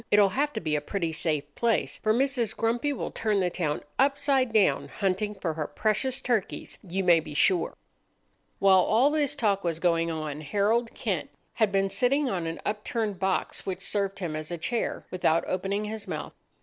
"It'll have to be a pretty safe place, for Mrs. Grumpy will turn the town upside down hunting for her precious turkeys, you may be sure." While all this talk was going on, Harold Kent had been sitting on an upturned box which served him as a chair, without opening his mouth.